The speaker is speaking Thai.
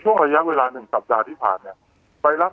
โทรฝึกษากันพวกเราถึงกันอยู่แล้วนะครับ